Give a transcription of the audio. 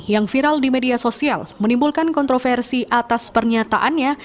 yang viral di media sosial menimbulkan kontroversi atas pernyataannya